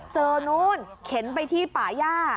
เจอนู้นเข็นไปที่ป่าย่า